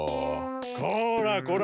こらこら！